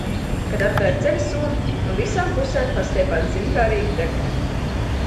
Kad atvēru ceļasomu, no visām pusēm pastiepās ziņkārīgi deguni.